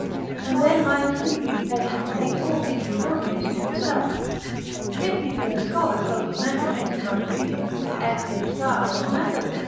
And then my silly weak patient takes all these eulogiums to himself; if he be a scholar so commended for his much reading, excellent style, method, &c.